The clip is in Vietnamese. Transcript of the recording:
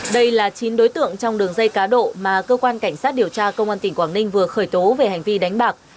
đây là chín đối tượng trong đường dây cá độ mà cơ quan cảnh sát điều tra công an tỉnh quảng ninh vừa khởi tố về hành vi đánh bạc